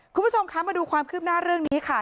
คุณผู้ชมคะมาดูความคืบหน้าเรื่องนี้ค่ะ